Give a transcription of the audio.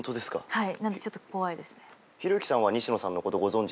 はい。